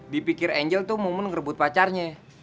dipikir angel tuh mumun ngerebut pacarnya